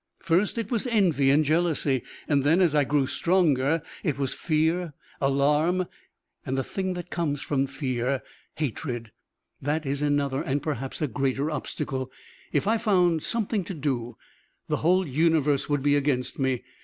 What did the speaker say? First it was envy and jealousy. Then, as I grew stronger, it was fear, alarm, and the thing that comes from fear hatred. That is another and perhaps a greater obstacle. If I found something to do, the whole universe would be against me.